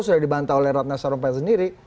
sudah dibantah oleh ratna sarumpait sendiri